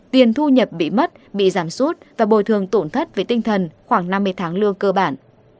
tiền thu nhập bị mất bị giảm sút và bồi thường tổn thất về tinh thần khoảng năm mươi tháng lương cơ bản